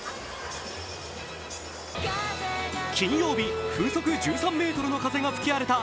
金曜日、風速１３メートルの風が吹き荒れたＺＯＺＯ